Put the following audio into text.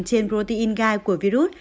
trên protein gai của virus